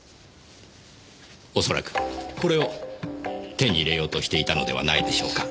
恐らくこれを手に入れようとしていたのではないでしょうか。